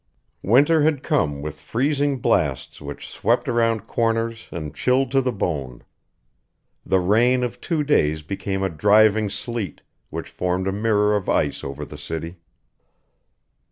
Winter had come with freezing blasts which swept around corners and chilled to the bone. The rain of two days became a driving sleet, which formed a mirror of ice over the city.